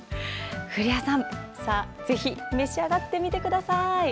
古谷さん、ぜひ召し上がってみてください。